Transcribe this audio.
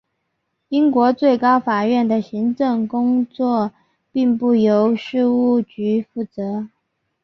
英国最高法院的行政工作并不由事务局负责。